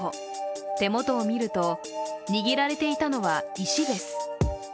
手元を見ると握られていたのは石です。